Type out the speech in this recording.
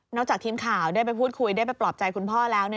จากทีมข่าวได้ไปพูดคุยได้ไปปลอบใจคุณพ่อแล้ว